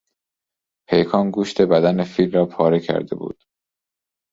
پیکان گوشت بدن فیل را پاره کرده بود.